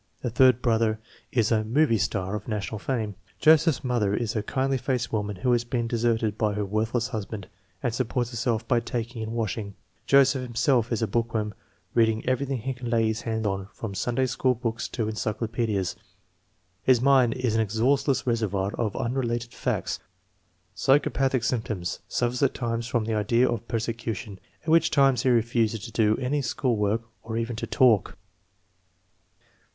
The third brother is a "movie" star of national fame. Joseph's mother is a kindly faced woman who has been deserted by her worthless husband, and supports herself by taking hi washing. Joseph himself is a bookworm, reading every thing he can lay his hand on from Sunday School books to encyclopaedias. His mind is an exhaustless reservoir of unrelated facts. Psychopathic symptoms. Suffers at times from the idea of persecution, at which times he refuses to do any school work or even to talk.